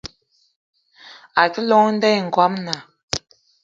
A ke llong nda i ngoamna.